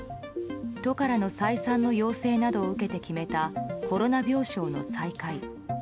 都からの再三の要請などを受けて決めたコロナ病床の再開。